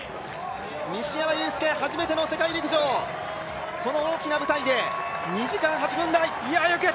西山雄介、初めての世界陸上この大きな舞台で、２時間８分台！